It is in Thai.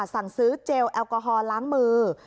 สั่งซื้อเจลแอลกอฮอลล้างมือ